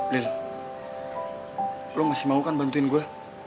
lel lo masih mau kan bantuin gue